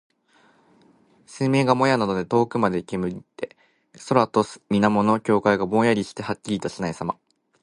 水面がもやなどで遠くまで煙って、空と水面の境界がぼんやりしてはっきりとしないさま。